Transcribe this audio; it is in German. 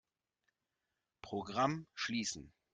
Programm schließen.